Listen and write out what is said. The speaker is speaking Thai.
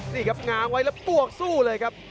นี่ครับง้างไว้แล้วปวกสู้เลยครับ